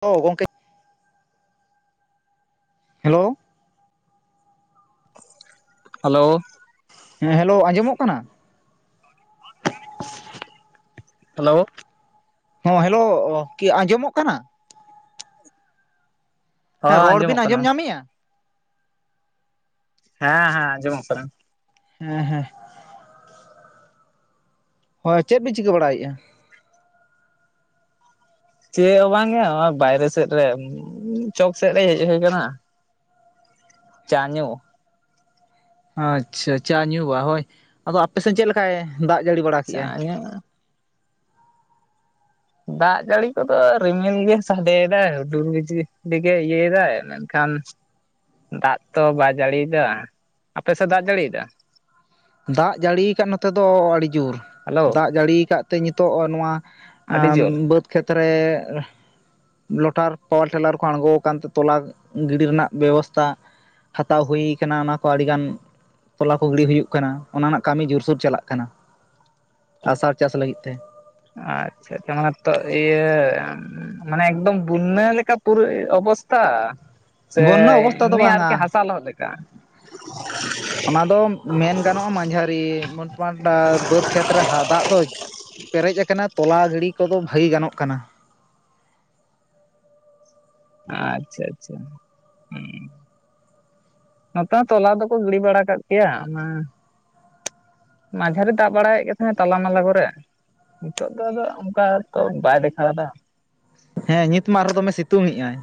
ᱚ ᱜᱚᱝᱠᱮ hello hello ᱦᱮᱸ ᱦᱮᱞᱳ ᱟᱸᱡᱚᱢᱚᱜ ᱠᱟᱱᱟ᱾ ᱦᱮᱞᱳ ᱦᱚᱸ ᱦᱮᱞᱳ ᱠᱤ ᱟᱸᱡᱚᱢᱚᱜ ᱠᱟᱱᱟ᱾ ᱦᱚᱸ ᱦᱮᱸ ᱨᱚᱲ ᱵᱤᱱ ᱟᱸᱡᱚᱢᱚᱜ ᱟᱸᱡᱚᱢ ᱠᱟᱱᱟ ᱧᱟᱢᱮᱜᱼᱟ᱾ ᱦᱮᱸ ᱦᱮᱸ ᱟᱡᱚᱢᱚᱜ ᱠᱟᱱᱟ ᱾ ᱦᱮᱸ ᱦᱮᱸ ᱦᱳᱭ ᱪᱮᱫ ᱯᱮ ᱪᱤᱠᱟᱹ ᱵᱟᱲᱟᱭ ᱮᱜᱼᱟ᱾ ᱪᱮᱫ ᱦᱚᱸ ᱵᱟᱝ ᱮ ᱱᱚᱭ ᱵᱟᱭᱨᱮ ᱥᱮᱫ ᱨᱮ ᱪᱚᱠ ᱥᱮᱫ ᱨᱮᱭ ᱦᱮᱡ ᱦᱩᱭ ᱟᱠᱟᱱᱟ᱾ ᱪᱟ ᱧᱩ ᱟᱪᱪᱷᱟ ᱪᱟ ᱧᱩ ᱵᱟ ᱦᱳᱭ ᱟᱫᱚ ᱟᱯᱮ ᱥᱮᱫ ᱪᱮᱫ ᱞᱮᱠᱟᱭ ᱫᱟᱜ ᱡᱟᱹᱲᱤ ᱵᱟᱲᱟ ᱠᱮᱜᱼᱟᱭ᱾ [unintelligible] ᱫᱟᱜ ᱡᱟᱹᱲᱤ ᱠᱚ ᱫᱚ ᱨᱤᱢᱤᱞ ᱜᱮ ᱥᱟᱰᱮᱭᱮ ᱫᱟᱭ ᱦᱩᱰᱩᱨ ᱵᱤᱡᱽᱞᱤ ᱨᱮ ᱜᱮ ᱤᱭᱟᱹᱭ ᱮᱫᱟᱭ ᱢᱮᱱ ᱠᱷᱟᱱ᱾ ᱫᱟᱜ ᱛᱚ ᱵᱟᱭ ᱡᱟᱹᱲᱤ ᱮᱫᱟ ᱟᱯᱮ ᱥᱮᱫ ᱫᱟᱜ ᱡᱟᱹᱲᱤ ᱮᱫᱟ᱾ ᱫᱟᱜ ᱡᱟᱹᱲᱤ ᱟᱠᱟᱫ ᱱᱚᱛᱮ ᱫᱚ ᱟᱹᱰᱤ ᱡᱳᱨ ᱦᱮᱞᱳ ᱫᱟᱜ ᱡᱟᱹᱲᱤ ᱟᱠᱟᱫ ᱛᱮ ᱱᱤᱛᱚᱜ ᱱᱚᱣᱟᱼᱼ ᱟᱹᱰᱤ ᱡᱳᱨ [unintelligible] ᱵᱟᱹᱫᱽ ᱠᱷᱮᱛ ᱨᱮᱼᱼ ᱞᱚᱴᱟᱨ ᱯᱟᱣᱟᱨ ᱴᱮᱞᱟᱨ ᱠᱚ ᱟᱬᱜᱚ ᱟᱠᱟᱱ ᱛᱮ ᱛᱚᱞᱟ ᱜᱤᱰᱤ ᱨᱮᱱᱟᱜ ᱵᱮᱵᱚᱥᱛᱷᱟ᱾ ᱦᱟᱛᱟᱣ ᱦᱩᱭ ᱠᱟᱱᱟ ᱚᱱᱟ ᱠᱚ ᱟᱹᱰᱤ ᱜᱟᱱ ᱛᱚᱞᱟ ᱠᱚ ᱜᱤᱰᱤ ᱦᱩᱭᱩᱜ ᱠᱟᱱᱟ᱾ ᱚᱱᱟ ᱨᱮᱱᱟᱜ ᱠᱟᱹᱢᱤ ᱡᱳᱨ ᱥᱳᱨ ᱪᱟᱞᱟᱜ ᱠᱟᱱᱟ, ᱟᱥᱟᱲ ᱪᱟᱥ ᱞᱟᱹᱜᱤᱫ ᱛᱮ᱾ ᱟᱪᱪᱷᱟ ᱚᱱᱟ ᱢᱟᱛᱚ ᱤᱭᱟᱹ, ᱢᱟᱱᱮ, ᱮᱠᱫᱚᱢ ᱵᱩᱱᱱᱟ ᱞᱮᱠᱟ ᱯᱩᱨᱟᱹ ᱚᱵᱚᱥᱛᱛᱟ᱾ ᱥᱮ, ᱵᱚᱱᱱᱟ ᱚᱵᱚᱥᱛᱟ ᱫᱚ ᱮᱢᱱᱤ ᱟᱨᱠᱤ ᱵᱟᱝᱟ ᱦᱟᱥᱟ ᱞᱚᱦᱚᱫ ᱞᱮᱠᱟ᱾ ᱚᱱᱟ ᱫᱚ ᱢᱮᱱ ᱜᱟᱱᱚᱜᱼᱟ ᱢᱟᱡᱷᱟᱹᱨᱤ ᱢᱳᱴᱢᱟᱴ ᱵᱟᱹᱫᱽ ᱠᱷᱮᱛ ᱨᱮ ᱫᱟᱜ ᱫᱚ, ᱯᱮᱨᱮᱡ ᱠᱟᱱᱟ ᱛᱚᱞᱟ ᱜᱤᱲᱤ ᱠᱚᱫᱚ ᱵᱷᱟᱹᱜᱤ ᱜᱟᱱᱚᱜ ᱠᱟᱱᱟ᱾ ᱟᱪᱪᱷᱟ ᱟᱪᱪᱷᱟ ᱦᱩᱸ᱾ ᱱᱚᱛᱮ ᱦᱚᱸ ᱛᱚᱞᱟ ᱫᱚᱠᱚ ᱜᱤᱲᱤ ᱵᱟᱲᱟ ᱠᱟᱫ ᱜᱮᱭᱟ ᱚᱱᱟ, ᱢᱟᱡᱷᱟᱨᱤ ᱫᱟᱜ ᱵᱟᱲᱟᱭᱮᱫ ᱜᱮ ᱛᱟᱦᱮᱸᱛᱟᱞᱟ ᱢᱟᱞᱟ ᱠᱚᱨᱮ᱾ ᱱᱤᱛᱚᱜ ᱫᱚ ᱟᱫᱚ ᱚᱱᱠᱟ ᱛᱚ, ᱵᱟᱭ ᱫᱮᱠᱷᱟᱣ ᱮᱫᱟ᱾ ᱦᱮᱸ ᱱᱤᱛ ᱢᱟ ᱟᱨᱦᱚᱸ ᱫᱚᱢᱮ ᱥᱤᱛᱩᱝ ᱮᱫᱼ ᱟᱭ᱾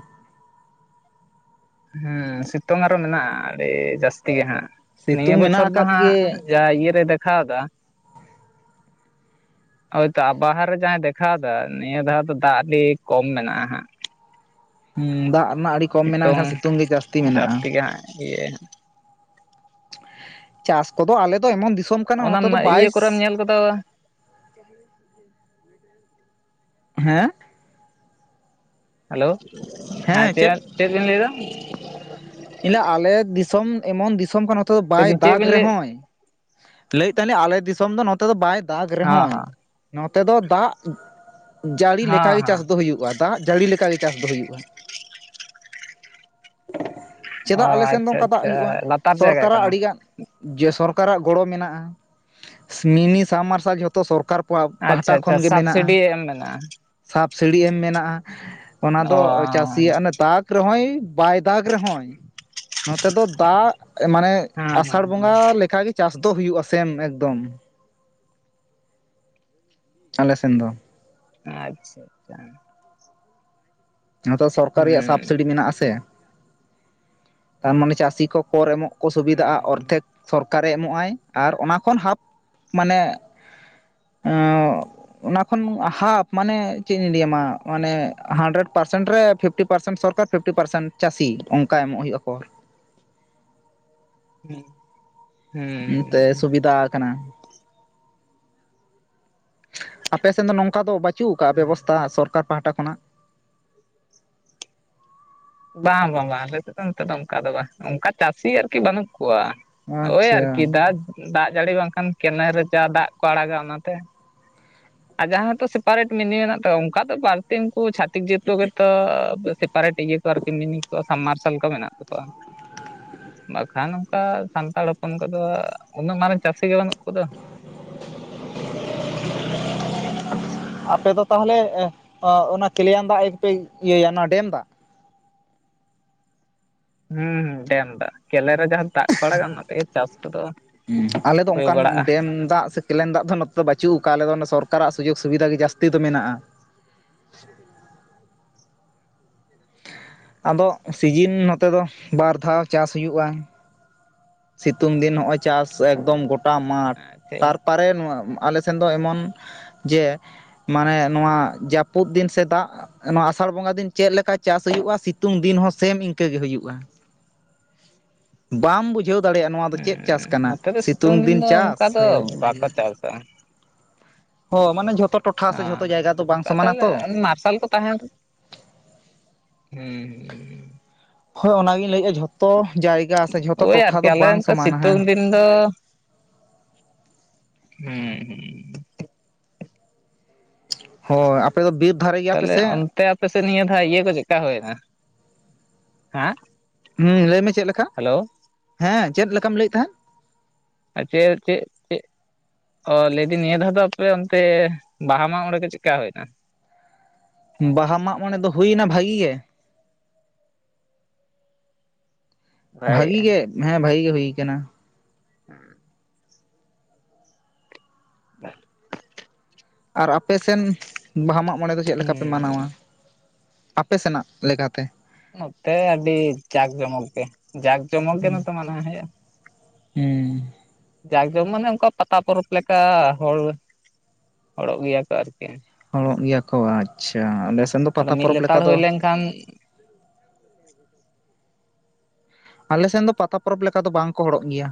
ᱦᱮᱸ ᱥᱤᱛᱩᱝ ᱟᱨᱦᱚ ᱢᱮᱱᱟᱜᱼᱟ ᱟᱹᱰᱤ ᱡᱟᱹᱥᱛᱤ ᱜᱮ ᱦᱟᱸᱜ ᱱᱤᱭᱟᱹ ᱥᱤᱛᱩᱝ ᱢᱮᱱᱟᱜ ᱵᱚᱪᱷᱚᱨ ᱫᱚ ᱟᱠᱟᱫ ᱦᱟᱸᱜ, ᱜᱮ ᱡᱟ ᱤᱭᱟᱹ ᱨᱮ ᱫᱮᱠᱷᱟᱣᱫᱟ᱾ [inaudible] ᱦᱳᱭᱛᱚ ᱟ ᱵᱟᱦᱟᱨ ᱨᱮ ᱡᱟᱦᱟᱸᱭ ᱫᱮᱠᱷᱟᱣ ᱫᱟ ᱱᱤᱭᱟᱹ ᱫᱷᱟᱣ ᱫᱚ ᱫᱟᱜ ᱟᱹᱰᱤ ᱠᱚᱢ ᱢᱮᱱᱟᱜᱼᱟ ᱦᱟᱸᱜ᱾ ᱦᱮᱸ ᱫᱟᱜ ᱨᱮᱱᱟᱜ ᱟᱹᱰᱤ ᱠᱚᱢ ᱢᱮᱱᱟᱜ-ᱟ ᱥᱤᱛᱩᱝ ᱜᱮ ᱡᱟᱹᱥᱛᱤ ᱢᱮᱱᱟᱜᱼᱟ᱾ [unintelligible] ᱪᱟᱥ ᱠᱚᱫᱚ ᱟᱞᱮ ᱫᱚ ᱮᱢᱚᱱ ᱫᱤᱥᱚᱢ ᱠᱟᱱᱟ ᱚᱱᱟ ᱱᱚᱛᱮ ᱫᱚ ᱤᱭᱟᱹ ᱵᱟᱭᱤᱥ, ᱠᱚᱨᱮᱢ ᱧᱮᱞ ᱠᱟᱫᱟ ᱦᱮᱸ, ᱦᱮᱞᱳ, ᱦᱮᱸ ᱪᱮᱫ ᱪᱮᱫ ᱵᱮᱱ ᱞᱟᱹᱭ ᱮᱫᱟ᱾ ᱮ ᱟᱞᱮ ᱫᱤᱥᱚᱢ ᱮᱢᱚᱱ ᱫᱤᱥᱚᱢ ᱠᱟᱱᱟ ᱱᱚᱛᱮ ᱫᱚ ᱞᱟᱹᱭ ᱵᱟᱭ ᱫᱟᱹᱧ ᱪᱮᱫ ᱫᱟᱜ ᱵᱤᱱ ᱞᱟᱹᱭ ᱨᱮᱦᱚᱸᱭ, ᱞᱟᱹᱭᱮᱫ ᱛᱟᱸᱦᱮ ᱟᱞᱮ ᱫᱤᱥᱚᱢ ᱫᱚ ᱱᱚᱛ, ᱱᱚᱛᱮ ᱫᱚ ᱵᱟᱭ ᱫᱟᱜ ᱦᱮᱸ ᱨᱮᱦᱚᱸᱭ, ᱦᱮᱸ ᱱᱚᱛᱮ ᱫᱚ ᱫᱟᱜ ᱡᱟᱹᱲᱤ ᱦᱮᱸ ᱞᱮᱠᱟ ᱜᱮ ᱦᱮᱸ ᱪᱟᱥ ᱫᱚ ᱦᱩᱭᱩᱜᱼᱟ᱾ ᱫᱟᱜ ᱡᱟᱹᱲᱤ ᱞᱮᱠᱟᱜ ᱜᱮ ᱪᱟᱥ ᱫᱚ ᱦᱩᱭᱩᱜᱼᱟ᱾ ᱚ ᱪᱮᱫᱟᱜ ᱟᱞᱮ ᱥᱮᱱ ᱫᱚ ᱟᱪᱪᱷᱟ ᱚᱝᱠᱟ ᱫᱟᱜ ᱟᱪᱪᱷᱟ ᱦᱩᱭᱩᱜᱼᱟ ᱞᱟᱛᱟᱨ ᱡᱟᱭᱜᱟ ᱥᱚᱨᱠᱟᱨᱟᱜ ᱠᱟᱱᱟ ᱟᱹᱰᱤᱜᱟᱱ, ᱡᱮ ᱥᱚᱨᱠᱟᱨᱟᱜ ᱜᱚᱲᱚ ᱢᱮᱱᱟᱜᱼᱟ, ᱢᱤᱱᱤ ᱥᱟᱵᱢᱟᱨᱥᱟᱞ ᱡᱷᱚᱛᱚ ᱥᱚᱨᱠᱟᱨ ᱟᱪᱪᱷᱟ ᱯᱟᱦᱴᱟ ᱠᱷᱚᱱ ᱟᱪᱪᱷᱟ ᱜᱮ ᱢᱮᱱᱟᱜᱼᱟ, ᱥᱟᱵᱥᱤᱰᱤ ᱮᱢ ᱢᱮᱱᱟᱜᱼᱟ ᱥᱟᱯ ᱥᱤᱲᱤ ᱮᱢ ᱢᱮᱱᱟᱜᱼᱟ᱾ ᱚᱱᱟ ᱚ ᱫᱚ ᱪᱟᱹᱥᱤ ᱭᱟᱜ ᱚᱱᱮ ᱫᱟᱜ ᱨᱮᱦᱚᱸᱚᱭ ᱵᱟᱭ ᱫᱟᱜ ᱨᱮᱦᱚᱸᱚᱭ, ᱱᱚᱛᱮ ᱫᱚ ᱫᱟᱜ ᱢᱟᱱᱮ, ᱦᱮᱸ ᱟᱥᱟᱲ ᱵᱚᱸᱜᱟ ᱞᱮᱠᱟᱜᱮ᱾ ᱪᱟᱥ ᱫᱚ ᱦᱩᱭᱩᱜᱼᱟ ᱥᱮᱢ ᱮᱠᱫᱚᱢ, ᱟᱞᱮ ᱥᱮᱱ ᱫᱚ᱾ ᱟᱪᱪᱷᱟ ᱟᱪᱪᱷᱟ, ᱱᱚᱛᱮ ᱥᱚᱨᱠᱟᱨ ᱨᱮᱭᱟᱜ ᱦᱩᱸ ᱥᱟᱵᱥᱤᱰᱤ ᱢᱮᱱᱟᱜ ᱟᱥᱮ ᱛᱟᱨᱢᱟᱱᱮ ᱪᱟᱹᱥᱤ ᱠᱚ ᱠᱚᱨ ᱮᱢᱚᱜ, ᱠᱚ ᱥᱩᱵᱤᱫᱷᱟᱜᱼᱟ ᱦᱩᱸ ᱚᱨᱫᱷᱮᱠ ᱥᱚᱨᱠᱟᱨᱮ ᱮᱢᱚᱜᱼ ᱟᱭ ᱟᱨ ᱚᱱᱟ ᱠᱷᱚᱱ ᱦᱟᱯ ᱢᱟᱱᱮ ᱚ, ᱚᱱᱟ ᱠᱷᱚᱱ ᱦᱟᱯ ᱢᱟᱱᱮ ᱪᱮᱫ ᱤᱧ ᱞᱟᱹᱭᱟᱢᱟ ᱢᱟᱱᱮ ᱦᱟᱱᱰᱨᱮᱰ, ᱯᱟᱨᱥᱮᱱᱴ ᱨᱮ ᱯᱷᱤᱯᱴᱤ ᱯᱟᱨᱥᱮᱱᱴ ᱥᱚᱨᱠᱟᱨ ᱯᱷᱤᱯᱴᱤ ᱯᱟᱨᱥᱮᱱᱴ ᱪᱟᱹᱥᱤ ᱚᱱᱠᱟ ᱮᱢᱚᱜ ᱦᱩᱭᱩᱜᱼᱟ ᱠᱚᱨ ᱾ ᱦᱮᱸ, ᱤᱱᱟᱹᱛᱮ ᱥᱩᱵᱤᱫᱷᱟ ᱠᱟᱱᱟ᱾ ᱟᱯᱮᱥᱮᱫ ᱫᱚ ᱱᱚᱝᱠᱟ ᱫᱚ ᱵᱟᱹᱪᱩᱜ ᱠᱟᱜᱼᱟ ᱦᱩᱸ ᱵᱮᱵᱚᱥᱛᱷᱟ ᱥᱚᱨᱠᱟᱨ ᱯᱟᱦᱟᱴᱟ ᱠᱷᱚᱱᱟᱜ᱾ ᱵᱟᱝ ᱵᱟᱝ ᱵᱟᱝ, ᱟᱞᱮᱥᱮᱫ ᱫᱚ ᱱᱤᱛᱚᱜ ᱫᱚ ᱚᱱᱠᱟ ᱫᱚ ᱵᱟᱝ ᱚᱱᱠᱟ ᱪᱟᱹᱥᱤ ᱟᱨᱠᱤ ᱵᱟᱹᱱᱩᱜ ᱠᱚᱣᱟ᱾ ᱳᱭ ᱟᱪᱪᱷᱟ ᱟᱨᱠᱤ ᱫᱟᱜ ᱫᱟᱜ ᱡᱟᱹᱲᱤ ᱵᱟᱝᱠᱷᱟᱱ ᱠᱮᱱᱮᱞ ᱨᱮ ᱡᱟ ᱫᱟᱜ ᱠᱚ ᱟᱲᱟᱜᱟ ᱚᱱᱟᱛᱮ᱾ ᱟᱨ ᱡᱟᱦᱟᱸ ᱠᱚ ᱥᱮᱯᱟᱨᱮᱴ ᱢᱤᱱᱤ ᱢᱮᱱᱟᱜ ᱛᱟᱠᱚᱣᱟ ᱚᱝᱠᱟ ᱫᱚ ᱵᱟᱹᱲᱛᱤ ᱩᱱᱠᱩ ᱪᱷᱟᱛᱤᱠ ᱡᱟᱹᱛ ᱠᱚᱜᱮ ᱛᱚ ᱵᱮᱥᱤ᱾ ᱯᱟᱨᱮᱴ ᱤᱭᱟᱹ ᱠᱚ ᱟᱨᱠᱤ ᱢᱤᱱᱤ ᱠᱚ ᱥᱟᱢ ᱢᱟᱨᱥᱟᱞ ᱠᱚ ᱢᱮᱱᱟᱜ ᱛᱟᱠᱚᱣᱟ᱾ ᱵᱟᱠᱷᱟᱱ ᱚᱝᱠᱟ ᱥᱟᱱᱛᱟᱲ ᱦᱚᱯᱚᱱ ᱠᱚᱫᱚ ᱩᱱᱟᱹᱜ ᱢᱟᱨᱟᱝ ᱪᱟᱹᱥᱤ ᱜᱮ ᱵᱟᱹᱱᱩᱜ ᱠᱚᱫᱚ᱾ [unintelligible] ᱟᱯᱮ ᱫᱚ ᱛᱟᱦᱚᱞᱮ ᱚᱱᱟ ᱠᱮᱞᱮᱭᱟᱱ ᱫᱟᱜᱯᱮ ᱤᱭᱟᱹᱭᱟ ᱚᱱᱟ ᱰᱮᱢ ᱫᱟᱜ᱾ ᱦᱮᱸ ᱰᱮᱢ ᱫᱟᱜ ᱠᱮᱞᱮ ᱨᱮ ᱡᱟᱦᱟᱸ ᱫᱟᱜ ᱠᱚ ᱟᱲᱟᱜᱟ ᱚᱱᱟᱛᱮᱜᱮ ᱪᱟᱥ ᱠᱚᱫᱚ᱾ ᱦᱩᱸ ᱟᱞᱮ ᱫᱚ ᱦᱩᱭ ᱚᱱᱠᱟᱱ ᱵᱟᱲᱟᱜᱼᱟ ᱰᱮᱢ ᱫᱟᱜ ᱥᱮ, ᱠᱮᱞᱮᱱ ᱫᱟᱜ ᱫᱚ ᱱᱚᱛᱮ ᱫᱚ ᱵᱟᱹᱪᱩᱜ ᱠᱟᱜ-ᱟ ᱟᱞᱮ ᱫᱚ ᱥᱚᱨᱠᱟᱨᱟᱜ ᱥᱩᱡᱳᱜᱽ ᱥᱩᱵᱤᱫᱷᱟ ᱜᱮ ᱡᱟᱹᱥᱛᱤ ᱫᱚ ᱢᱮᱱᱟᱜᱼᱟ᱾ [inaudible] [inaudible] ᱟᱫᱚ ᱥᱤᱡᱤᱱ ᱱᱚᱛᱮ ᱫᱚ ᱵᱟᱨ ᱫᱷᱟᱣ ᱪᱟᱥ ᱦᱩᱭᱩᱜᱼᱟ᱾ ᱥᱤᱛᱩᱝ ᱫᱤᱱ ᱱᱚᱜ ᱚᱚᱭ ᱪᱟᱥ ᱮᱠᱫᱚᱢ ᱜᱚᱴᱟ ᱢᱟᱴᱷ ᱟᱪᱪᱷᱟ ᱛᱟᱨᱼᱼ ᱯᱟᱨᱮ ᱱᱚᱣᱟ ᱟᱞᱮᱥᱱ ᱫᱚ ᱮᱢᱚᱱ ᱡᱮᱼᱼ ᱢᱟᱱᱮ ᱱᱚᱣᱟ ᱡᱟᱹᱯᱩᱫ ᱫᱤᱱ ᱥᱮ ᱫᱟᱜᱼᱼ ᱱᱚᱣᱟ ᱟᱥᱟᱲ ᱵᱚᱸᱜᱟ ᱫᱤᱱ ᱪᱮᱫᱞ ᱞᱮᱠᱟ ᱪᱟᱥ ᱦᱩᱭᱩᱜᱼᱟ ᱥᱤᱛᱩᱝ ᱫᱤᱱ ᱦᱚᱸ ᱥᱮᱢ ᱤᱱᱠᱟᱹᱜ ᱜᱮ ᱦᱩᱭᱩᱜᱼᱟ᱾ ᱵᱟᱢ ᱵᱩᱡᱷᱼᱟᱼᱼ ᱵᱩᱡᱷᱟᱹᱣ ᱫᱟᱲᱭᱟᱜ, ᱱᱚᱣᱟᱼᱼ ᱦᱮᱸ ᱱᱚᱛᱮ ᱫᱚ ᱥᱤᱛᱩᱝ ᱫᱤᱱ ᱫᱚ ᱚᱱᱠᱟ ᱪᱟᱥ ᱫᱚ ᱥᱮ ᱵᱟᱠᱚ ᱪᱟᱥᱟ᱾ ᱦᱚᱸ ᱢᱟᱱᱮ ᱡᱷᱚᱛᱚ ᱴᱚᱴᱷᱟ ᱥᱮ ᱡᱷᱚᱛᱚ ᱡᱟᱭᱜᱟ ᱫᱚ ᱵᱟᱝ ᱥᱚᱢᱟᱱᱟ ᱛᱟᱦᱚᱞᱮ ᱛᱚ ᱢᱟᱨᱥᱟᱞ ᱠᱚᱼᱼ ᱛᱟᱦᱮᱱ ᱦᱮᱸ ᱦᱳᱭ ᱚᱱᱟᱜᱤᱧ ᱞᱟᱹᱭᱮᱫ ᱡᱷᱚᱛᱚ ᱡᱟᱭᱜᱟ ᱥᱮ ᱡᱷᱚᱛᱚ ᱴᱚᱴᱷᱟ ᱫᱚ ᱵᱟᱝ ᱥᱚᱢᱟᱱᱟ ᱦᱮᱸ᱾ ᱤᱧ ᱫᱚᱻ ᱦᱮᱸ ᱦᱳᱭ ᱟᱯᱮᱫᱚ ᱵᱤᱨ ᱫᱷᱟᱨᱮ ᱜᱮᱭᱟ ᱯᱮᱥ? ᱛᱚ ᱟᱯᱮᱥᱮᱫ ᱱᱤᱭᱟᱹ ᱫᱷᱟ ᱤᱭᱟᱹ ᱠᱚ ᱪᱮᱫᱠᱟ ᱦᱩᱭᱱᱟ? ᱦᱮᱸᱼᱼ ᱞᱟᱹᱭᱢᱮ ᱪᱮᱫ ᱞᱮᱠᱟ? ᱦᱮᱸ ᱪᱮᱫ ᱞᱮᱠᱟᱢ ᱞᱟᱹᱭᱮᱫ ᱛᱟᱦᱮᱸᱫ? ᱟᱨ ᱪᱮᱫ [inaudible] ᱚ ᱞᱟᱹᱭᱫᱟᱹᱧ ᱱᱤᱭᱟᱹ ᱫᱷᱟᱣ ᱫᱚ ᱟᱯᱮ ᱚᱱᱛᱮ ᱵᱟᱦᱟ ᱢᱟᱜ ᱢᱚᱲᱮ ᱠᱚ ᱪᱮᱫᱠᱟ ᱦᱩᱭᱮᱱᱟ? ᱵᱟᱦᱟ ᱢᱟᱜ ᱢᱚᱬᱮ ᱫᱚ ᱦᱩᱭᱱᱟ ᱵᱷᱟᱜᱤ ᱜᱮ᱾ ᱵᱷᱟᱜᱮ ᱵᱷᱟᱜᱤ ᱜᱮ ᱦᱮᱸ ᱵᱷᱟᱜᱤ ᱜᱮ ᱦᱩᱭ ᱟᱠᱟᱱᱟ᱾ [inaudible] [inaudible] ᱟᱨ ᱟᱯᱮ ᱥᱮᱱ ᱵᱟᱦᱟ ᱢᱟᱜ ᱢᱚᱬᱮ ᱫᱚ ᱪᱮᱫ ᱜᱮ ᱞᱮᱠᱟᱯᱮ ᱦᱩᱸ ᱢᱟᱱᱟᱣᱟ? ᱟᱯᱮ ᱥᱮᱱᱟᱜ ᱞᱮᱠᱟᱛᱮ? ᱱᱚᱛᱮ ᱟᱹᱰᱤ ᱡᱟᱠ ᱡᱚᱢᱚᱠ ᱜᱮ ᱡᱟᱠ ᱡᱚᱢᱚᱠ ᱜᱮ ᱱᱚᱛᱮ ᱢᱟᱱᱟᱣ ᱦᱩᱭᱩᱜᱼᱟ᱾ ᱦᱮᱸ ᱡᱟᱠ ᱡᱚᱢ ᱢᱟᱱᱮ ᱚᱱᱠᱟ ᱯᱟᱛᱟ ᱯᱚᱨᱚᱵᱽ ᱞᱮᱠᱟ ᱦᱚᱲ ᱦᱚᱲᱚᱜ ᱜᱮᱭᱟ ᱠᱚ ᱟᱨᱠᱤ ᱦᱚᱲᱚᱜ ᱜᱮᱭᱟ ᱠᱚ ᱟᱪᱪᱷᱟ ᱟᱞᱮ ᱥᱮᱫ ᱫᱚ ᱯᱟᱛᱟ ᱯᱚᱨᱚᱵᱽ ᱞᱮᱠᱟ ᱫᱚᱼᱼ ᱚᱱᱠᱟᱱ ᱟᱞᱮᱥᱮᱱ ᱫᱚ ᱯᱟᱛᱟ ᱯᱚᱨᱚᱵᱽ ᱞᱮᱠᱟ ᱫᱚ ᱵᱟᱝ ᱠᱚ ᱦᱚᱲᱚᱨᱚᱜ ᱜᱮᱭᱟ᱾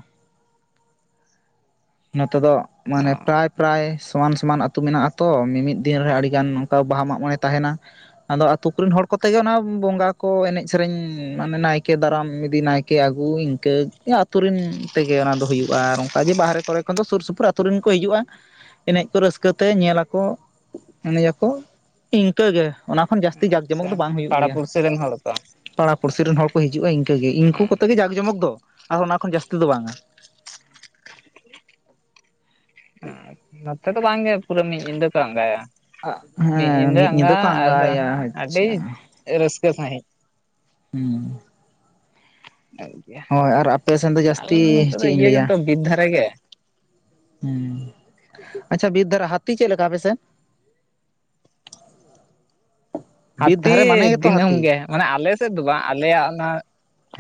ᱱᱚᱛᱮ ᱫᱚ ᱢᱟᱱᱮ ᱯᱨᱟᱭᱼ ᱯᱨᱟᱭ ᱥᱚᱢᱟᱱ ᱥᱚᱢᱟᱱ ᱟᱛᱩ ᱢᱮᱱᱟᱜᱼᱟ᱾ ᱛᱚ ᱢᱤᱢᱤᱫ ᱫᱤᱱ ᱨᱮ ᱟᱹᱰᱤ ᱜᱟᱱ ᱚᱱᱠᱟ ᱵᱟᱦᱟ ᱢᱟᱜ ᱢᱚᱬᱮ ᱛᱟᱦᱮᱱᱟ᱾ ᱟᱫᱚ ᱟᱛᱳ ᱠᱚᱨᱮᱱ ᱦᱚᱲ ᱠᱚᱛᱮᱜᱮ ᱚᱱᱟ ᱵᱚᱸᱜᱟ ᱠᱚ ᱮᱱᱮᱡ ᱥᱮᱨᱮᱧ ᱢᱟᱱᱮ ᱱᱟᱭᱠᱮ ᱫᱟᱨᱟᱢ ᱤᱼᱼ ᱫᱤ ᱱᱟᱭᱠᱮ ᱟᱹᱜᱩ ᱤᱱᱠᱟᱹ ᱟᱛᱩᱨᱮᱱ ᱛᱮᱜᱮ ᱚᱱᱟ ᱫᱚ ᱦᱩᱭᱩᱜᱼᱟ, ᱟᱨ ᱚᱱᱠᱟ ᱡᱮ ᱵᱟᱦᱨᱮᱼᱼ ᱯᱚᱨᱮ ᱠᱷᱚᱱ ᱫᱚ ᱥᱩᱨ ᱥᱩᱯᱩᱨ ᱟᱛᱳ ᱨᱮᱱ ᱠᱚ ᱦᱤᱡᱩᱜᱼᱟ ᱮᱱᱮᱡ ᱠᱚ ᱨᱟᱹᱥᱠᱟᱹ ᱛᱮ ᱧᱮᱞᱟᱠᱚ᱾ ᱮᱱᱮᱡ ᱟᱠᱚ ᱤᱱᱠᱟᱹᱜᱮ ᱚᱱᱟ ᱠᱷᱚᱱ ᱡᱟᱹᱥᱛᱤ ᱡᱟᱠ ᱡᱚᱢᱚᱠ ᱟᱪᱪᱷᱟ ᱫᱚ ᱵᱟᱝ ᱦᱩᱭᱩᱜ ᱯᱟᱲᱟ ᱜᱮᱭᱟ᱾ ᱯᱩᱲᱥᱤ ᱨᱮᱱ ᱦᱚᱲ ᱠᱚ ᱯᱟᱲᱟ ᱯᱩᱲᱥᱤ ᱨᱮᱱ ᱦᱚᱲ ᱠᱚ ᱦᱤᱡᱩᱜᱼᱟ᱾ ᱤᱱᱠᱟᱹ ᱜᱮ ᱤᱱᱠᱩ ᱠᱚᱛᱮ ᱜᱮ ᱡᱟᱠ ᱡᱚᱢᱚᱠ ᱫᱚ ᱟᱨ ᱚᱱᱟ ᱠᱷᱚᱱ ᱡᱟᱹᱥᱛᱤ ᱫᱚ ᱵᱟᱝᱟ᱾ ᱱᱚᱛᱮ ᱫᱚ ᱵᱟᱝᱜᱮ, ᱯᱩᱨᱟᱹ ᱢᱤᱫ ᱧᱤᱫᱟᱹ ᱠᱚ ᱟᱸᱜᱟᱭᱟ᱾ ᱢᱤᱜ ᱦᱮᱸ ᱧᱤᱫᱟᱹ ᱢᱤᱫ ᱟᱝᱜᱟ ᱠᱚ ᱟᱫᱚ ᱟᱸᱜᱟᱭᱟ ᱟᱹᱰᱤ ᱟᱪᱪᱷᱟ ᱨᱟᱹᱥᱠᱟᱹ ᱥᱟᱺᱦᱤᱡ᱾ ᱦᱩᱸ᱾ ᱟᱨ ᱟᱯᱮ ᱥᱮᱱ ᱟᱞᱮ ᱫᱚ ᱡᱟᱹᱥᱛᱤ ᱱᱚᱛᱮ ᱫᱚ ᱪᱮᱫ ᱤᱧ ᱤᱭᱟᱹ ᱜᱮᱛᱚ ᱵᱤᱨ ᱫᱷᱟᱨᱮ ᱜᱮ᱾ ᱦᱮᱸ, ᱟᱪᱪᱷᱟ ᱵᱤᱨ ᱫᱷᱟᱨᱟ, ᱦᱟᱛᱤ ᱪᱮᱫ ᱞᱮᱠᱟ ᱯᱮᱥᱮᱱ? [inaudible] ᱵᱤᱨ ᱦᱟᱛᱤ ᱫᱷᱟᱨᱮ ᱢᱟᱱᱮ ᱜᱮᱛᱚ ᱫᱤᱱᱟᱹᱢ ᱦᱟᱹᱛᱤ ᱜᱮ ᱢᱟᱱᱮ ᱟᱞᱮ ᱥᱮᱫ ᱫᱚ ᱵᱟᱝ᱾ ᱟᱞᱮᱭᱟᱜ ᱚᱱᱟ,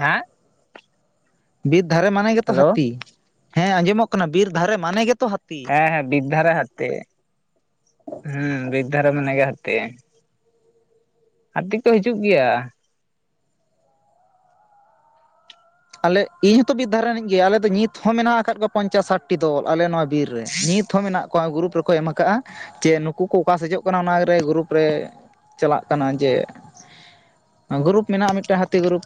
ᱦᱮᱸ ᱵᱤᱨ ᱫᱷᱟᱨᱮ ᱢᱟᱱᱮ ᱜᱮᱛᱚ ᱦᱮᱞᱳ ᱦᱟᱹᱛᱤ᱾ ᱦᱮᱸ ᱟᱸᱡᱚᱢᱚᱜ ᱠᱟᱱᱟ ᱵᱤᱨ ᱫᱷᱟᱨᱮ ᱢᱟᱱᱮ ᱜᱮᱛᱚ ᱦᱟᱹᱛᱤ᱾ ᱦᱮᱸ ᱦᱮᱸ, ᱵᱤᱫᱽᱫᱷᱟᱨᱮ ᱦᱟᱹᱛᱤ᱾ ᱦᱩᱸ, ᱵᱤᱫᱽᱫᱷᱟᱨᱮ ᱢᱟᱱᱮ ᱜᱮ ᱦᱟᱹᱛᱤ᱾ ᱦᱟᱛᱤ ᱠᱚ ᱦᱤᱡᱩᱜ ᱜᱮᱭᱟ᱾ ᱟᱞᱮᱜ ᱤᱧ ᱦᱚᱸᱛᱚ ᱵᱤᱨᱫᱷᱟᱨ ᱨᱤᱱᱤᱡ ᱜᱮ ᱟᱞᱮ ᱫᱚ ᱱᱤᱛ ᱦᱚᱸ ᱢᱮᱱᱟᱜ ᱟᱠᱟᱫ ᱠᱚᱣᱟ ᱯᱚᱧᱪᱟᱥ ᱥᱟᱴᱴᱤ ᱫᱚᱞ ᱟᱞᱮ ᱱᱚᱣᱟ ᱵᱤᱨ ᱨᱮ ᱱᱤᱛᱼᱼ ᱛᱷᱚ ᱢᱮᱱᱟᱜ ᱠᱚᱣᱟ᱾ ᱜᱩᱨᱩᱯ ᱨᱮᱠᱚ ᱮᱢ ᱟᱠᱟᱜᱼᱟ ᱡᱮ ᱱᱩᱠᱩ ᱠᱚ ᱚᱠᱟ ᱥᱮᱡᱚᱜ ᱠᱟᱱᱟ ᱚᱱᱟᱨᱮ ᱜᱩᱨᱩᱯ ᱨᱮᱼᱼ ᱪᱟᱞᱟᱜ ᱠᱟᱱᱟ ᱡᱮᱼᱼ ᱜᱩᱨᱩᱯ ᱢᱮᱱᱟᱜᱼᱟ ᱢᱤᱫᱴᱮᱜ ᱦᱟᱹᱛᱤ ᱜᱩᱨᱩᱯ᱾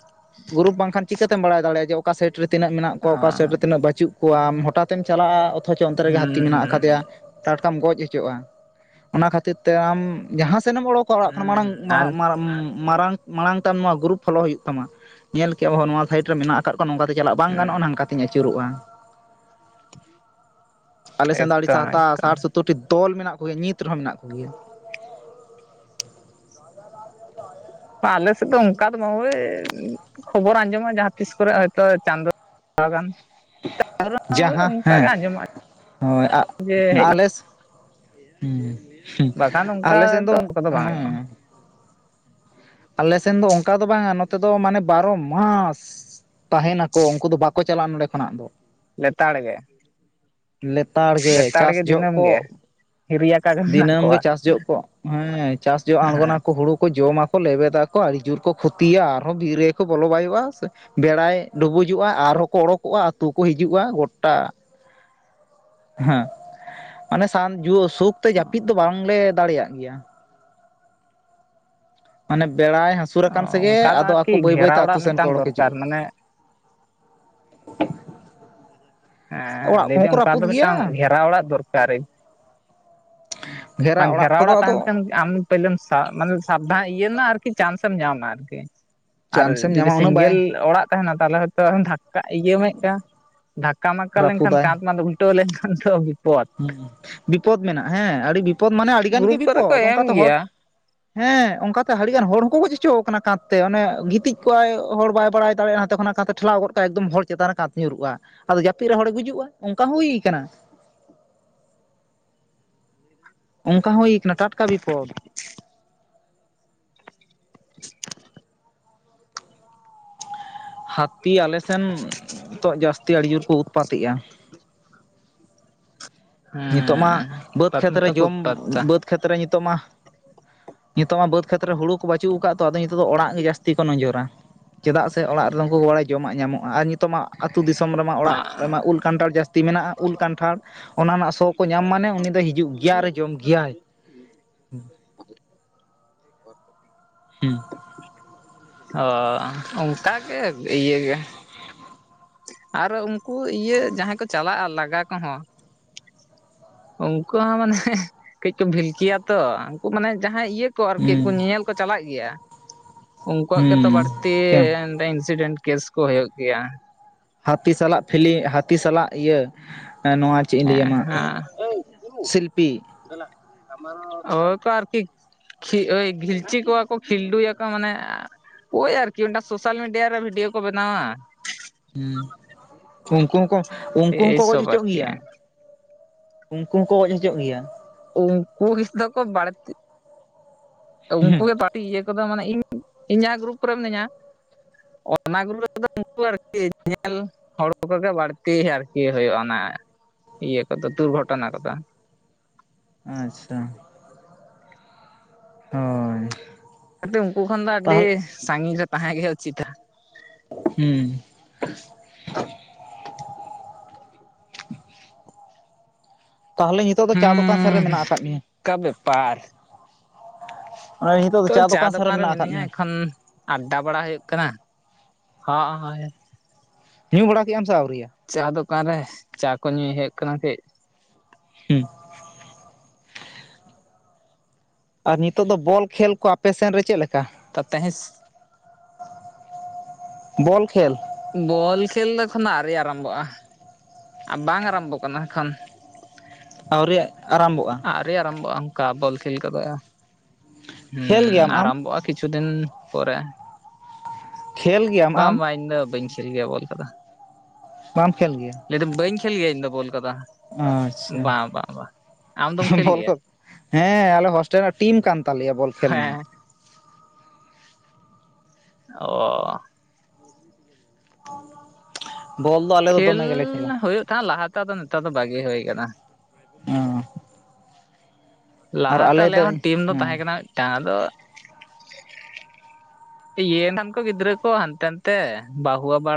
ᱜᱩᱨᱩᱯ ᱵᱟᱝᱠᱷᱟᱱ ᱪᱤᱠᱟᱹᱛᱮᱢ ᱵᱟᱲᱟᱭ ᱫᱟᱲᱮᱭᱟᱜᱼᱟ ᱡᱮᱼᱼ ᱚᱠᱟ ᱥᱟᱤᱴ ᱨᱮ ᱛᱤᱱᱟᱹᱜ ᱢᱮᱱᱟᱜ ᱚ ᱠᱚᱣᱟ? ᱚᱠᱟ ᱥᱟᱤᱴ ᱨᱮ ᱛᱤᱱᱟᱹᱜ ᱵᱟᱹᱪᱩᱜ ᱠᱚᱣᱟᱻᱢ ᱦᱚᱴᱟᱛᱮᱢ ᱪᱟᱞᱟᱜᱼᱟ, ᱚᱛᱷᱚᱪᱚ ᱚᱱᱛᱮ ᱨᱮᱜᱮ ᱦᱟᱹᱛᱤ ᱦᱩᱸ ᱢᱮᱱᱟᱜ ᱦᱩᱸ ᱟᱠᱟᱫᱮᱭᱟ᱾ ᱴᱟᱴᱠᱟᱢ ᱜᱚᱡ ᱚᱪᱚᱜᱼᱟ᱾ ᱚᱱᱟ ᱠᱷᱟᱹᱛᱤᱨ ᱛᱮ ᱟᱢ ᱡᱟᱦᱟᱸ ᱥᱮᱱ ᱮᱢ ᱚᱲᱚᱠᱼᱼ ᱠᱚᱜ-ᱟ ᱚᱲᱟᱜ ᱠᱷᱚᱱᱟᱜ ᱦᱩᱸ ᱟᱨ ᱢᱟᱲᱟᱝ ᱢᱟ [unintelligible] ᱢᱟᱨᱟᱝ, ᱢᱟᱲᱟᱝ ᱛᱮ ᱱᱚᱣᱟ ᱜᱩᱨᱩᱯ ᱯᱷᱚᱞᱳ ᱦᱩᱭᱩᱜ ᱛᱟᱢᱟ, ᱧᱮᱞ ᱠᱮᱜ-ᱟ ᱵᱚ ᱱᱚᱣᱟ ᱥᱟᱭᱤᱴ ᱨᱮ ᱢᱮᱱᱟᱜ-ᱟ ᱠᱟᱫ ᱠᱚᱣᱟ᱾ ᱱᱚᱝᱠᱟᱛᱮ ᱪᱟᱞᱟᱜ ᱵᱟᱝ ᱜᱟᱱᱚᱜ-ᱟ ᱦᱩᱸ ᱱᱟᱝᱠᱟᱛᱤᱧ ᱟᱹᱪᱩᱨᱚᱜ-ᱟ᱾ ᱟᱞᱮ ᱥᱮᱱ ᱫᱚ ᱟᱹᱰᱤ ᱮᱠᱫᱚᱢ ᱥᱟᱦᱛᱟ ᱮᱠᱫᱚᱢ ᱥᱟᱴ ᱥᱳᱛᱳᱨᱴᱤ ᱫᱚᱞ ᱢᱮᱱᱟᱜ ᱠᱚᱜᱮᱭᱟ ᱱᱤᱛ ᱨᱮᱦᱚᱸ ᱢᱮᱱᱟᱜ ᱠᱚᱜᱮᱭᱟ᱾ ᱵᱟ, ᱟᱞᱮ ᱥᱮᱫ ᱫᱚ ᱚᱱᱠᱟ ᱫᱚ ᱵᱟᱝ ᱳᱭ ᱠᱷᱚᱵᱚᱨ ᱟᱸᱡᱚᱢᱚᱜ-ᱟ ᱡᱟᱦᱟᱸ ᱛᱤᱥ ᱠᱚᱨᱮ ᱦᱚᱭᱛᱳ ᱪᱟᱸᱫᱚ ᱛᱷᱚᱲᱟ ᱜᱟᱱ᱾ ᱳᱭ ᱡᱟᱦᱟᱸ, ᱚᱱᱠᱟ ᱜᱮ ᱦᱮᱸ᱾ ᱟᱸᱡᱚᱢᱚᱜᱼᱟ ᱦᱳᱭ, ᱟᱜ ᱡᱮ ᱦᱮᱡ ᱟᱞᱮᱥ ᱦᱩᱸ, ᱦᱩᱸᱜ ᱵᱟᱠᱷᱟᱱ ᱟᱞᱮ ᱚᱱᱠᱟ ᱥᱮᱱ ᱫᱚ᱾ ᱠᱚᱫᱚ ᱵᱟᱝ ᱟᱸᱡᱚᱢᱚᱜᱼᱟ ᱦᱮᱸ, ᱟᱞᱮ ᱥᱮᱱ ᱫᱚ ᱚᱝᱠᱟ ᱫᱚ ᱵᱟᱝᱟ ᱱᱚᱛᱮ ᱫᱚ ᱢᱟᱱᱮ ᱵᱟᱨᱚ ᱢᱟᱥ᱾ ᱛᱟᱦᱮᱱᱟᱠᱚ ᱩᱝᱠᱩ ᱫᱚ ᱵᱟᱠᱚ ᱪᱟᱞᱟᱜ-ᱟ ᱱᱚᱸᱰᱮ ᱠᱷᱚᱱᱟᱜ ᱫᱚ᱾ ᱞᱮᱛᱟᱲ ᱜᱮ᱾ ᱞᱮᱛᱟᱲ ᱜᱮ, ᱪᱟᱥ ᱡᱚᱦᱚᱜ ᱠᱚ ᱦᱤᱨᱤᱭᱟ᱾ ᱫᱤᱱᱟᱹᱢ ᱜᱮ ᱪᱟᱥ ᱡᱚᱜ ᱠᱚ, ᱦᱮᱸ ᱪᱟᱥ ᱡᱚᱜ ᱟᱬᱜᱚᱱᱟ ᱦᱮᱸ ᱠᱚ ᱦᱩᱲᱩ ᱠᱚ ᱡᱚᱢᱟ᱾ ᱠᱚ ᱞᱮᱵᱮᱫᱟᱠᱚ ᱟᱹᱰᱤ ᱡᱳᱨ ᱠᱚ ᱠᱷᱚᱛᱤᱭᱟ ᱟᱨᱦᱚᱸ ᱵᱤᱨ ᱨᱮᱠᱚ ᱵᱚᱞᱚ ᱵᱟᱭᱚᱜ-ᱟ ᱥᱮ᱾ ᱵᱮᱲᱟᱭ ᱰᱩᱵᱩᱡᱚᱜ-ᱟ ᱟᱨᱦᱚᱸᱠᱚ ᱚᱰᱚᱠᱚᱜ-ᱟ ᱟᱛᱩ ᱠᱚ ᱦᱤᱡᱩᱜ-ᱟ ᱜᱚᱴᱟ᱾ ᱦᱮᱸ, ᱢᱟᱱᱮ ᱥᱟᱱ ᱥᱩᱠᱛᱮ ᱡᱟᱹᱯᱤᱫ ᱫᱚ ᱵᱟᱝᱞᱮ ᱫᱟᱲᱮᱭᱟᱜ ᱜᱮᱭᱟ᱾ ᱢᱟᱱᱮ ᱵᱮᱲᱟᱭ ᱦᱟᱹᱥᱩᱨ ᱚ ᱟᱠᱟᱱ ᱥᱮᱜᱮ ᱚᱱᱠᱟ ᱫᱚ ᱟᱫᱚ ᱟᱨᱠᱤ ᱟᱠᱚ ᱵᱟᱹᱭ ᱵᱟᱹᱭᱛᱮ ᱜᱷᱮᱨᱟ ᱟᱛᱳ ᱚᱲᱟᱜ ᱥᱮᱱ ᱠᱚ ᱢᱤᱫᱴᱟᱝ ᱚᱲᱳᱠ ᱫᱚᱨᱠᱟᱨ ᱦᱤᱡᱩᱜ-ᱟ᱾ [inaudible] ᱢᱟᱱᱮ ᱦᱮᱸ ᱞᱟᱹᱭᱫᱟᱹᱧ ᱚᱝᱠᱟ ᱫᱚ ᱢᱤᱫᱴᱟᱝ ᱜᱷᱮᱨᱟᱣ ᱚᱲᱟᱜ ᱫᱚᱨᱠᱟᱨᱤ᱾ ᱵᱟᱝ ᱜᱷᱮᱨᱟ ᱚᱲᱟᱜ ᱛᱟᱦᱮᱱ ᱠᱷᱟᱱ ᱟᱢ ᱯᱟᱹᱭᱞᱟᱹᱢ ᱥᱟ ᱢᱟᱱᱮ ᱥᱟᱵᱫᱷᱟᱱ ᱤᱭᱟᱹ ᱨᱮᱱᱟᱜ ᱟᱨᱠᱤ ᱪᱟᱱᱥᱮᱢ ᱧᱟᱢᱟ ᱟᱨᱠᱤ᱾ ᱟᱨ ᱪᱟᱱᱥᱮᱢ ᱡᱩᱫᱤ ᱧᱟᱢᱟ ᱩᱱᱟᱹᱜ ᱥᱤᱝᱜᱮᱞ ᱵᱟᱭ ᱚᱲᱟᱜ ᱛᱟᱦᱮᱱᱟ ᱛᱟᱦᱞᱮ ᱦᱚᱭᱛᱳ ᱫᱷᱟᱠᱠᱟ, ᱤᱭᱟᱹ ᱢᱮ ᱠᱟ ᱫᱷᱟᱠᱠᱟ ᱢᱟᱠᱟ ᱞᱮᱱᱠᱷᱟᱱ ᱨᱟᱹᱯᱩᱫᱟᱭ ᱠᱟᱸᱛ ᱢᱟ ᱩᱞ ᱴᱟᱹᱣ ᱞᱮᱠᱷᱟᱱ ᱛᱚ ᱵᱤᱯᱚᱛ᱾ ᱦᱩᱸ, ᱵᱤᱯᱚᱫᱽ ᱢᱮᱱᱟᱜ-ᱟ ᱦᱮᱸ, ᱟᱹᱰᱤ ᱵᱤᱯᱚᱫᱽ ᱢᱟᱱᱮ ᱟᱹᱰᱤ ᱜᱟᱱ ᱜᱮ ᱜᱨᱩᱯ ᱠᱚᱨᱮ ᱠᱚ ᱵᱤᱯᱚᱫᱽ ᱮᱢ ᱚᱝᱠᱟᱛᱮ ᱦᱚᱲ ᱜᱮᱭᱟ ᱦᱮᱸ, ᱚᱝᱠᱟᱛᱮ ᱦᱟᱹᱰᱤᱜᱟᱱ ᱦᱚᱲ ᱦᱚᱸᱠᱚ ᱜᱚᱡ ᱦᱚᱪᱚᱣ ᱠᱟᱱᱟ ᱠᱟᱸᱛ ᱛᱮ ᱚᱱᱮ ᱜᱤᱛᱤᱡ ᱠᱚᱜ-ᱟᱭ ᱦᱚᱲ ᱵᱟᱭ ᱵᱟᱲᱟᱭ ᱫᱟᱲᱮᱭᱟᱜᱼᱟ ᱦᱟᱸᱛᱮ ᱠᱷᱚᱱᱟᱜ ᱠᱟᱸᱛᱮ ᱴᱷᱮᱞᱟᱣ ᱜᱚᱫ ᱠᱟᱭ ᱮᱠᱫᱚᱢ ᱦᱚᱲ ᱪᱮᱛᱟᱱ ᱨᱮ ᱠᱟᱫ ᱧᱩᱨᱩᱜᱼᱟ ᱟᱫᱚ ᱡᱟᱹᱯᱤᱫ ᱨᱮ ᱦᱚᱲᱮ ᱜᱩᱡᱩᱜ-ᱟ ᱚᱝᱠᱟ ᱦᱚᱸ ᱦᱩᱭ ᱠᱟᱱᱟ᱾ ᱚᱝᱠᱟ ᱦᱚᱸ ᱦᱩᱭ ᱠᱟᱱᱟ ᱴᱟᱴᱠᱟ ᱵᱤᱯᱚᱫᱽ᱾ [inaudible] ᱛᱤ ᱟᱞᱮᱥᱮᱱ ᱱᱤᱛᱚᱜ ᱡᱟᱹᱥᱛᱤ ᱟᱹᱰᱤ ᱡᱳᱨ ᱠᱚ ᱩᱛᱯᱟᱛᱮᱜ-ᱟ᱾ ᱱᱤᱛᱳᱜ ᱢᱟ ᱦᱮᱸ ᱵᱟᱹᱫᱽ ᱩᱛᱯᱟᱛ ᱠᱷᱮᱛᱨᱮ ᱢᱟᱛᱚ ᱠᱚ ᱡᱚᱢ ᱩᱛᱯᱟᱛᱟ ᱵᱟᱹᱫᱽ ᱠᱷᱮᱛᱨᱮ ᱱᱤᱛᱳᱜ ᱢᱟ᱾ ᱱᱤᱛᱳᱜ ᱢᱟ ᱵᱟᱹᱫᱽ ᱠᱷᱮᱛᱨᱮ ᱦᱩᱲᱩ ᱠᱚ ᱵᱟᱹᱪᱩᱜ ᱠᱟᱜ-ᱟ ᱛᱚ, ᱟᱫᱚ ᱱᱤᱛᱳᱜ ᱫᱚ ᱚᱲᱟᱜ ᱜᱮ ᱡᱟᱹᱥᱛᱤ ᱠᱚ ᱱᱚᱡᱚᱨᱟ᱾ ᱪᱮᱫᱟᱜ ᱥᱮ ᱚᱲᱟᱜ ᱨᱮᱫᱚ ᱩᱱᱠᱩ ᱠᱚ ᱵᱟᱲᱟᱭ ᱡᱚᱢᱟᱜ ᱧᱟᱢᱚᱜᱼᱟ ᱟᱨ ᱱᱤᱛᱚᱜ ᱢᱟ ᱟᱹᱛᱩ ᱫᱤᱥᱚᱢ ᱨᱮᱢᱟ ᱚᱲᱟᱜ ᱨᱮᱢᱟ ᱩᱞ ᱠᱟᱱᱴᱷᱟᱲ ᱡᱟᱹᱥᱛᱤ ᱢᱮᱱᱟᱜ-ᱟ ᱩᱞ ᱠᱟᱱᱴᱷᱟᱲ᱾ ᱚᱱᱟ ᱥᱚ ᱠᱚ ᱧᱟᱢ ᱢᱟᱱᱮ ᱩᱱᱤ ᱫᱚᱭ ᱦᱤᱡᱩᱜ ᱜᱮᱭᱟ ᱟᱨ ᱡᱚᱢ ᱜᱮᱭᱟᱭ᱾ [unintelligible] ᱦᱩᱸ᱾ ᱚ, ᱚᱝᱠᱟ ᱜᱮ, ᱤᱭᱟᱹ ᱜᱮ᱾ ᱟᱨ ᱩᱝᱠᱩ ᱤᱭᱟᱹ ᱡᱟᱦᱟᱸᱭ ᱠᱚ ᱪᱟᱞᱟᱜ-ᱟ ᱞᱟᱜᱟ ᱠᱚᱦᱚᱸ᱾ ᱩᱝᱠᱩ ᱦᱚᱸ ᱢᱟᱱᱮ ᱠᱟᱹᱡ ᱠᱚ ᱵᱷᱤᱞᱠᱤᱭᱟ ᱛᱚ, ᱩᱝᱠᱩ ᱢᱟᱱᱮ ᱡᱟᱦᱟᱸᱭ ᱤᱭᱟᱹ᱾ ᱠᱚ ᱟᱨᱠᱤ ᱠᱚ ᱦᱩᱸ ᱧᱮᱧᱮᱞ ᱠᱚ ᱪᱟᱞᱟᱜ ᱜᱮᱭᱟ᱾ ᱩᱝᱠᱩᱣᱟᱜ ᱜᱮᱛᱚ ᱦᱩᱸ ᱵᱟᱹᱲᱛᱤ ᱠᱮᱢ ᱤᱱᱥᱤᱰᱮᱱᱴ ᱠᱮᱹᱥ ᱠᱚ ᱦᱩᱭᱩᱜ ᱜᱮᱭᱟ᱾ ᱦᱟᱹᱛᱤ ᱥᱟᱞᱟᱜ ᱯᱷᱤᱞᱤ, ᱦᱟᱹᱛᱤ ᱥᱟᱞᱟᱜ ᱤᱭᱟᱹ ᱱᱚᱣᱟ ᱪᱮᱫ ᱤᱧ ᱦᱮᱸ ᱞᱟᱹᱭ ᱟᱢᱟ ᱦᱟᱸ ᱥᱤᱞᱯᱤ ᱦᱳᱭ ᱠᱚ ᱟᱨᱠᱤ᱾ ᱠᱷᱤ ᱳᱭ ᱠᱷᱤᱞᱪᱤ ᱠᱚᱣᱟ ᱠᱚ ᱠᱷᱤᱞᱰᱩᱭᱟᱠᱚ ᱢᱟᱱᱮ ᱳᱭ ᱟᱨᱠᱤ ᱢᱤᱫᱴᱟᱝ ᱥᱳᱥᱟᱞ ᱢᱤᱰᱤᱭᱟ ᱨᱮ ᱵᱷᱤᱰᱭᱳ ᱠᱚ ᱵᱮᱱᱟᱣᱟ᱾ ᱦᱩᱸ, ᱩᱝᱠᱩ ᱦᱚᱸᱠᱚ, ᱩᱝᱠᱩ ᱦᱚᱸᱠᱚ ᱜᱚᱡ ᱮᱭᱥᱚᱵ ᱦᱚᱪᱚᱜ ᱟᱨᱠᱤ ᱜᱮᱭᱟ᱾ ᱩᱝᱠᱩ ᱦᱚᱸᱠᱚ ᱜᱚᱡ ᱦᱚᱪᱚᱜ ᱜᱮᱭᱟ᱾ ᱩᱝᱠᱩ ᱜᱮᱥ ᱛᱚᱠᱚ ᱵᱟᱲᱛᱤ᱾ ᱩᱝᱠᱩ ᱜᱮ ᱯᱟᱴᱤ ᱤᱭᱟᱹ ᱠᱚᱫᱚ ᱢᱟᱱᱮ ᱤᱧ, ᱤᱧ ᱡᱟᱦᱟᱸ ᱜᱨᱩᱯ ᱠᱚᱨᱮ ᱢᱤᱱᱟᱹᱧᱟ᱾ ᱚᱱᱟ [unintelligible] ᱨᱮᱫᱚ ᱩᱱᱠᱩ ᱟᱨᱠᱤ ᱧᱮᱞ ᱦᱚᱲ ᱠᱚᱜᱮ ᱵᱟᱹᱲᱛᱤ ᱟᱨᱠᱤ ᱦᱳᱭᱳᱜᱼᱟ ᱚᱱᱟ ᱤᱭᱟᱹ ᱠᱚᱫᱚ ᱫᱩᱨᱜᱷᱚᱴᱚᱱᱟ ᱠᱚᱫᱚ᱾ ᱟᱪᱪᱷᱟ ᱦᱳᱭ ᱠᱟᱴᱤᱜ ᱩᱱᱠᱩ ᱠᱷᱚᱱ ᱫᱚ ᱟᱹᱰᱤ ᱛᱟᱦᱚᱞᱮ ᱥᱟᱺᱜᱤᱧ ᱨᱮ ᱛᱟᱦᱮᱸ ᱜᱮ ᱩᱪᱤᱛᱟ, ᱦᱩᱸ ᱛᱟᱦᱞᱮ ᱱᱤᱛᱳᱜ ᱫᱚ ᱪᱟ ᱫᱚᱠᱟᱱ ᱥᱮᱱ ᱨᱮ ᱦᱩᱸ ᱢᱮᱱᱟᱜ ᱟᱠᱟᱫ ᱢᱮᱭᱟ? ᱚᱱᱠᱟ ᱵᱮᱯᱟᱨ ᱱᱤᱛᱚᱜ ᱫᱚ ᱛᱚ ᱪᱟ ᱥᱮᱫ ᱫᱚᱠᱟᱱ ᱨᱮ ᱢᱮᱱᱟᱜ ᱟᱠᱟᱫ ᱢᱤᱱᱟᱹᱧᱟ ᱢᱮᱭᱟ ᱮᱠᱷᱚᱱ ᱟᱰᱰᱟ ᱵᱟᱲᱟ ᱦᱳᱭᱳᱜ ᱠᱟᱱᱟ ᱦᱚᱸᱜ ᱚ ᱦᱚᱭ ᱾ ᱧᱩ ᱵᱟᱲᱟ ᱠᱮᱜ ᱟᱢ ᱥᱮ ᱟᱣᱨᱤᱭᱟ? ᱪᱟ ᱫᱚᱠᱟᱱ ᱨᱮ ᱪᱟ ᱠᱚ ᱧᱩᱭ ᱦᱳᱭᱳᱜ ᱠᱟᱱᱟ ᱠᱟᱹᱡ᱾ ᱦᱩᱸ ᱟᱨ ᱱᱤᱛᱚᱜ ᱫᱚ ᱵᱚᱞ ᱠᱷᱮᱞ ᱠᱚ ᱟᱯᱮ ᱥᱮᱱ ᱨᱮ ᱪᱮᱫ ᱞᱮᱠᱟ? ᱛ ᱛᱮᱦᱮᱸᱥ ᱵᱚᱞ ᱠᱷᱮᱞ? ᱵᱚᱞ ᱠᱷᱮᱞ ᱫᱚ ᱮᱠᱷᱚᱱ ᱫᱚ ᱟᱣᱨᱤ ᱟᱨᱟᱢᱵᱚᱜᱼᱟ᱾ ᱟ ᱵᱟᱝ ᱟᱨᱟᱢᱵᱚᱜ ᱠᱟᱱᱟ ᱮᱠᱷᱚᱱ᱾ ᱟᱹᱣᱨᱤᱭᱟᱜ ᱟᱨᱟᱢᱵᱚᱜᱼᱟ? ᱟᱣᱨᱤ ᱟᱨᱟᱢᱵᱷᱚᱜᱼᱟ ᱚᱱᱠᱟ ᱵᱚᱞ ᱠᱷᱮᱞ ᱠᱚᱫᱚ ᱦᱩᱸ ᱠᱷᱮᱞ ᱜᱮᱭᱟᱢ ᱟᱢ ᱟᱨᱟᱢᱵᱷᱚᱜᱼᱟ ᱠᱤᱪᱷᱩ ᱫᱤᱱ ᱯᱚᱨᱮ᱾ ᱠᱷᱮᱞ ᱜᱮᱭᱟᱢ ᱟᱢ ᱵᱟᱝ ᱵᱟᱝ ᱤᱧ ᱫᱚ ᱵᱟᱹᱧ ᱠᱷᱮᱞ ᱜᱮᱭᱟ ᱵᱚᱞ ᱠᱚᱫᱚ᱾ ᱵᱟᱢ ᱠᱷᱮᱞ ᱜᱮᱭᱟ? ᱞᱟᱹᱭᱫᱟᱹᱧ ᱵᱟᱹᱧ ᱠᱷᱮᱞ ᱜᱮᱭᱟ ᱤᱧ ᱫᱚ ᱵᱚᱞ ᱠᱚᱫᱚ᱾ ᱟᱪᱪᱷᱟ ᱵᱟᱝ ᱵᱟᱝ ᱵᱟᱝ ᱟᱢ ᱫᱚᱢ ᱠᱷᱮᱞ ᱵᱚᱞ ᱜᱮᱭᱟ ᱠᱷ ᱦᱮᱸ, ᱟᱞᱮ ᱦᱳᱥᱴᱮᱞ ᱨᱮᱱᱟᱜ ᱴᱤᱢ ᱠᱟᱱ ᱛᱟᱞᱮᱭᱟ ᱵᱚᱞ ᱠᱷᱮᱞ ᱨᱮᱱ ᱦᱮᱸ ᱚ [inaudible] ᱵᱚᱞ ᱫᱚ ᱟᱞᱮ ᱫᱚ ᱫᱚᱢᱮ ᱜᱮᱞᱮ ᱠᱷᱮᱞᱟ ᱠᱷᱮᱞᱻᱦᱩᱭᱩᱜ ᱛᱟᱦᱮᱸᱜ ᱞᱟᱦᱟᱛᱮ ᱟᱫᱚ ᱱᱮᱛᱟᱨ ᱫᱚ ᱵᱟᱜᱮ ᱦᱩᱭ ᱠᱟᱱᱟ᱾ ᱚ ᱞᱟᱦᱟᱛᱮ ᱟᱞᱮ ᱫᱚ ᱟᱞᱮᱦᱚᱸ ᱴᱤᱢ ᱫᱚ ᱦᱮᱸ ᱛᱟᱦᱮᱸ ᱠᱟᱱᱟ ᱢᱤᱫᱴᱟᱱ ᱟᱫᱚ, ᱯᱤᱭᱮᱱ ᱜᱤᱫᱽᱨᱟ. ᱠᱚ ᱦᱟᱱᱛᱮ ᱱᱟᱛᱮ ᱵᱟᱦᱩᱣᱟ ᱟᱵᱟᱨ